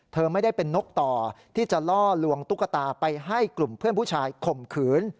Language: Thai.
เธอไม่ได้เป็นนกต่อที่จะล่อลวงตุ๊กตาไปให้กลุ่มเพื่อนผู้ชายข่มขืน